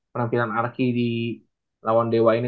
penampilan arki di lawan dewa ini